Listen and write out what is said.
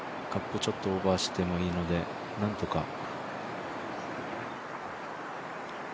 カップちょっとオーバーしてもいいので、なんとか。